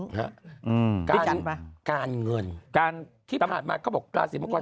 ครับอืมได้จัดไหมการเงินการที่ผ่านมาก็บอกกล้าสิบเมื่อกว่า